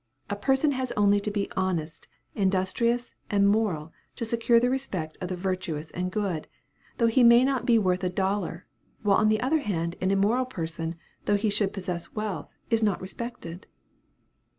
A person has only to be honest, industrious, and moral, to secure the respect of the virtuous and good, though he may not be worth a dollar; while on the other hand, an immoral person, though he should possess wealth, is not respected."